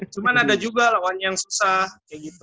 cuman ada juga lawan yang susah kayak gitu